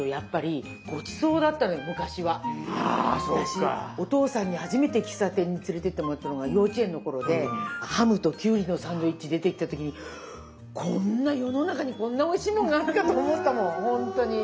私お父さんに初めて喫茶店に連れて行ってもらったのが幼稚園の頃でハムときゅうりのサンドイッチ出てきた時に世の中にこんなおいしいもんがあるかと思ったもんほんとに。